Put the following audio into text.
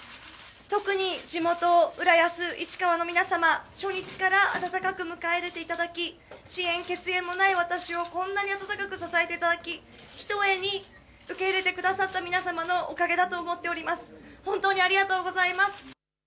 特に地元浦安、市川の皆様、初日から温かく迎え入れていただき、地縁、血縁もない私をこんなに温かく支えていただき、ひとえに受け入れてくださった皆様のおかげだと思っております。